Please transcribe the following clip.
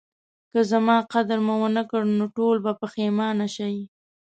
که زما قدر مو ونکړ نو ټول به پخیمانه شئ